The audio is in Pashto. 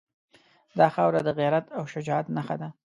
دا خاوره د غیرت او شجاعت نښه ده.